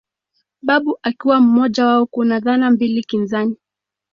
Babu akiwa mmoja wao Kuna dhana mbili kinzani